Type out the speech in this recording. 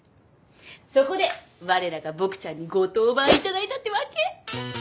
そこでわれらがボクちゃんにご登板いただいたってわけ。